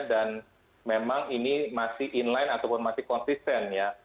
dan memang ini masih inline ataupun masih konsisten ya